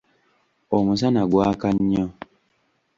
Omusana gwaka nnyo.